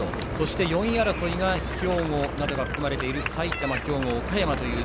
４位争いが兵庫などが含まれる埼玉、兵庫、岡山。